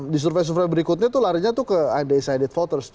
di survei survei berikutnya larinya ke undecided voters